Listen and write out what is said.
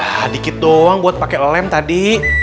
ah dikit doang buat pakai lem tadi